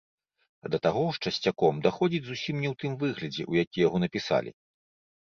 Да таго ж, часцяком, даходзіць зусім не ў тым выглядзе, у які яго напісалі.